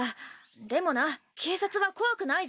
でもな警察は怖くない